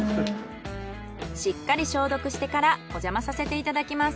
しっかり消毒してからおじゃまさせていただきます。